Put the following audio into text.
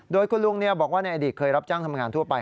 โดยคุณลุงบอกว่าในอดีตเคยรับจ้างทำงานทั่วไป